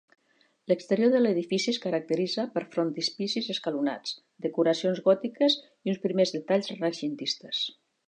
L'exterior de l'edifici es caracteritza per frontispicis escalonats, decoracions gòtiques i uns primers detalls renaixentistes.